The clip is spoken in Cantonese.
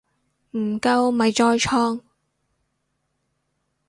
唔夠咪再創